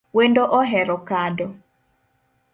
Wendo ohero kado